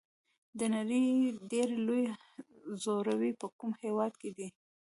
د نړۍ ډېر لوړ ځړوی په کوم هېواد کې دی؟